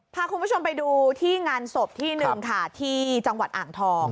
พาคุณผู้ชมไปดูที่งานศพที่หนึ่งค่ะที่จังหวัดอ่างทอง